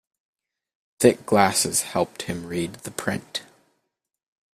Thick glasses helped him read the print.